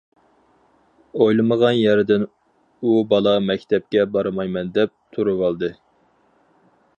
ئويلىمىغان يەردىن ئۇ بالا مەكتەپكە بارمايمەن دەپ، تۇرۇۋالدى.